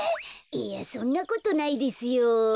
いやそんなことないですよ。